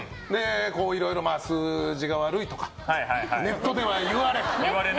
いろいろ数字が悪いとかネットでは言われ。